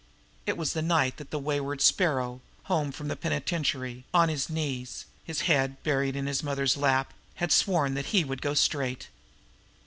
It was the night that the wayward Sparrow, home from the penitentiary, on his knees, his head buried in his mother's lap, had sworn that he would go straight.